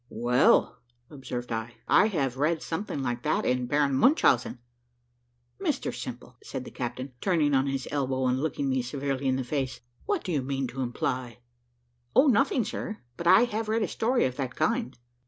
"Well," observed I, "I have read something like that in Baron Munchausen." "Mr Simple," said the captain, turning on his elbow and looking me severely in the face, "what do you mean to imply?" "O nothing, sir, but I have read a story of that kind."